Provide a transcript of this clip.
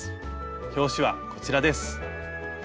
表紙はこちらです。